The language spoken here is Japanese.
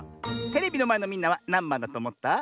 テレビのまえのみんなはなんばんだとおもった？